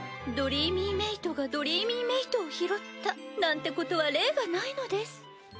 ドリーミーメイトがドリーミーメイトを拾ったなんてことは例がないのです。